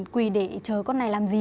quỳ để chờ con này làm gì